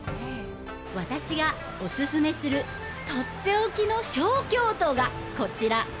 私がおすすめするとっておきの小京都がこちら！